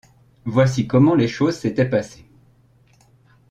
Voici comment les choses s’étaient passées.